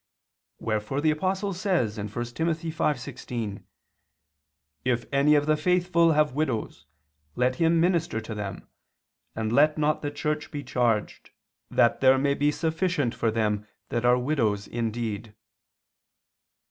Wherefore the Apostle says (1 Tim. 5:16): "If any of the faithful have widows, let him minister to them, and let not the Church be charged, that there may be sufficient for them that are widows indeed."